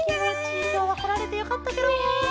きょうはこられてよかったケロ。ね。